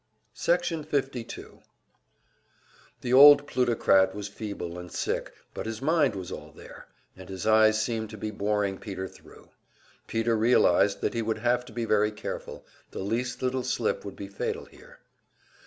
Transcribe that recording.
Section 52 The old plutocrat was feeble and sick, but his mind was all there, and his eyes seemed to be boring Peter through. Peter realized that he would have to be very careful the least little slip would be fatal here.